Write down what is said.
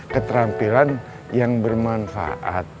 keterampilan yang bermanfaat